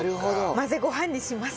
混ぜご飯にします。